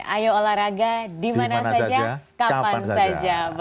ayo olahraga dimana saja kapan saja